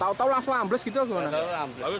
tahu tahu langsung ambles gitu atau gimana